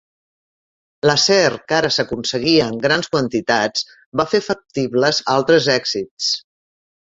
L'acer que ara s'aconseguia en grans quantitats va fer factibles altres èxits.